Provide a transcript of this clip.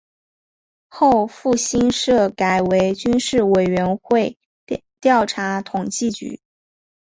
后复兴社改为军事委员会调查统计局。